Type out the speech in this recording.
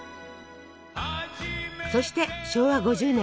そして昭和５０年。